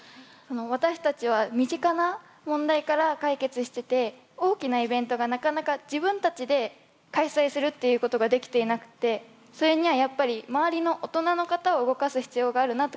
私たちは身近な問題から解決してて大きなイベントがなかなか自分たちで開催するっていうことができていなくてそれにはやっぱり周りの大人の方を動かす必要があるなって感じています。